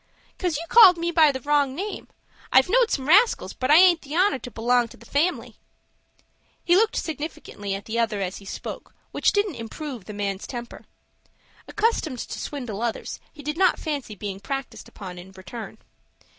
"'Cause you called me by the wrong name. I've knowed some rascals, but I aint the honor to belong to the family." He looked significantly at the other as he spoke, which didn't improve the man's temper. Accustomed to swindle others, he did not fancy being practised upon in return.